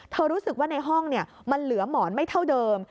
รู้สึกว่าในห้องมันเหลือหมอนไม่เท่าเดิม